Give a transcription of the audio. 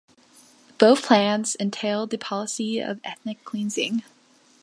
Both plans entailed the policy of ethnic cleansing.